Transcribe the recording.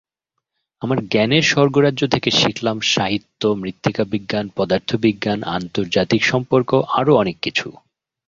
আমার জ্ঞানের স্বর্গরাজ্য থেকে শিখলাম সাহিত্য, মৃত্তিকাবিজ্ঞান, পদার্থবিজ্ঞান, আন্তর্জাতিক সম্পর্ক—আরও অনেক কিছু।